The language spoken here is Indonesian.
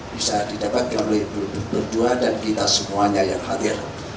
bisa didapatkan oleh berdua dan kita semuanya yang hadir